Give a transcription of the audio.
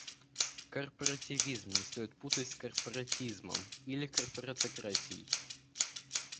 Корпоративизм не стоит путать с корпоратизмом или корпоратократией.